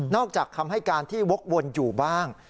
อกจากคำให้การที่วกวนอยู่บ้าง